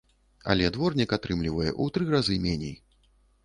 Але дворнік атрымлівае ў тры разы меней.